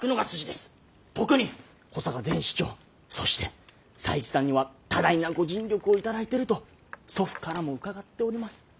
特に保坂前市長そして佐伯さんには多大なご尽力を頂いてると祖父からも伺っております。